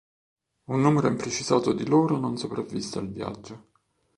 Un numero imprecisato di loro non sopravvisse al viaggio.